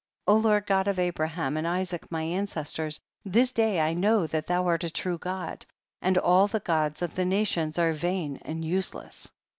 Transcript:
24. Lord God of Abraham and Isaac my ancestors, this day I know that thou art a true God, and all the gods of the nations are vain and use less.